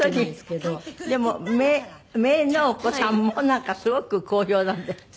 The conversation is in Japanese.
でも姪のお子さんもなんかすごく好評なんですって？